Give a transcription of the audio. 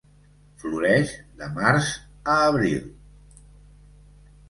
Floreix de març a abril.